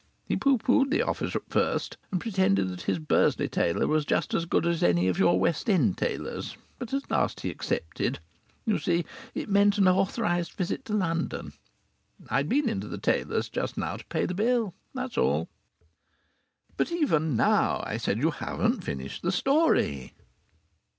He pooh poohed the offer at first, and pretended that his Bursley tailor was just as good as any of your West End tailors. But at last he accepted. You see it meant an authorized visit to London.... I'd been into the tailor's just now to pay the bill. That's all." "But even now," I said, "you haven't finished the story."